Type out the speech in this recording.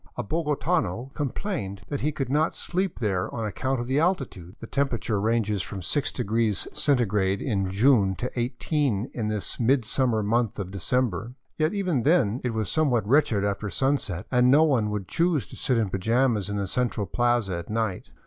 A bogotano complained that he could not sleep there on account of the altitude ! The temperature ranges from 6 degrees Centigrade in June to i8 in this mid summer month of December. Yet even then it was somewhat wretched after sunset, and no one would choose to sit in pajamas in the central plaza at night.